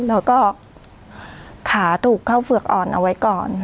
แล้วก็ขาถูกเข้าเฝือกอ่อนเอาไว้ก่อน